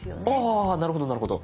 あなるほどなるほど。